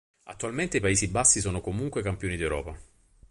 Attualmente i Paesi Bassi sono comunque campioni d'Europa.